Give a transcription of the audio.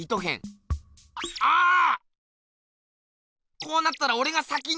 こうなったらおれが先に。